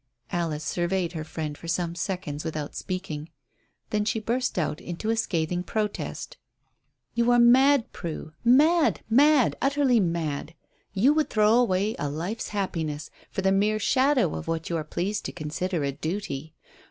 Alice surveyed her friend for some seconds without speaking. Then she burst out into a scathing protest "You are mad, Prue, mad, mad, utterly mad. You would throw away a life's happiness for the mere shadow of what you are pleased to consider a duty.